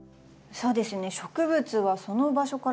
そうですよね。